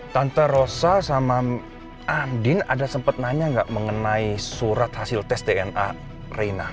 tante rosa sama andin ada sempat nanya nggak mengenai surat hasil tes dna rina